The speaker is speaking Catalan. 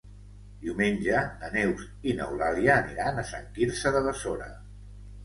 Diumenge na Neus i n'Eulàlia aniran a Sant Quirze de Besora.